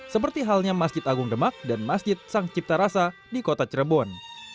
seperti halnya masjid agung demak dan masjid sang cipta rasa di kota cirebon